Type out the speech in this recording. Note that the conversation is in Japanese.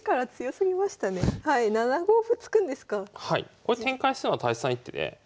こう展開するのが大切な一手で。